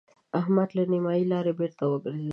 احمد له نيمې لارې بېرته وګرځېد.